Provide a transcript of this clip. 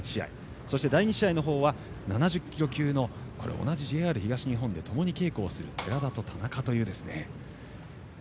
そして、第２試合は７０キロ級の同じＪＲ東日本のともに稽古をする寺田と田中です。